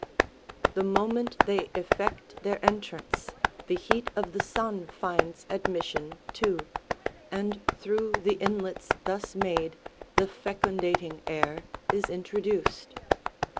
80 The moment they effect their entrance, the heat of the sun finds admission too, and through the inlets thus made the fecundating air is introduced.